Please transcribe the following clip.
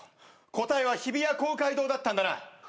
答えは日比谷公会堂だったんだな。